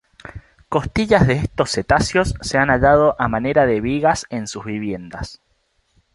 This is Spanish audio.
Costillas de estos cetáceos se han hallado a manera de vigas en sus viviendas.